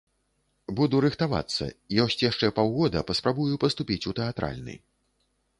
Буду рыхтавацца, ёсць яшчэ паўгода, паспрабую паступіць у тэатральны.